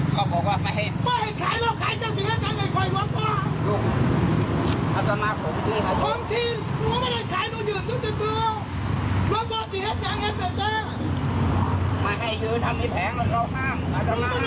มาให้คือทำให้แผงเราห้ามไม่ได้รถไหมคือรถไหมคือรถไหม